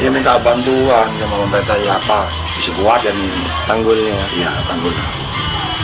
berapa sentimeter pak tadi pak